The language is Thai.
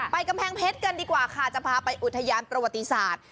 กำแพงเพชรกันดีกว่าค่ะจะพาไปอุทยานประวัติศาสตร์